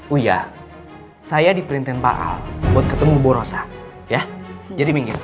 uya saya diperintahin pak al buat ketemu bu rosa ya jadi minggu ya